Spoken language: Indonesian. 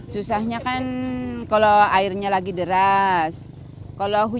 ketika musim kemarau seperti ini